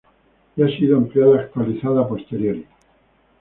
Y ha sido ampliada-actualizada a posteriori.